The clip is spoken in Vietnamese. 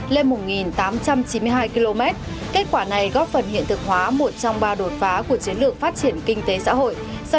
lên một tám trăm chín mươi hai km kết quả này góp phần hiện thực hóa một trong ba đột phá của chiến lược phát triển kinh tế xã hội